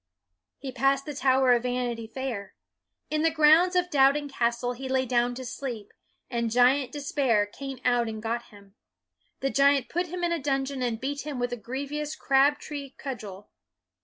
He passed the tower of Vanity Fair. In the grounds of Doubting Castle he lay down to sleep, and Giant Despair came out and got him. The Giant put him in a dungeon and beat him with a grievous crab tree cudgel.